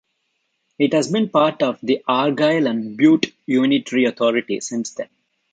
It has been part of Argyll and Bute unitary authority since then.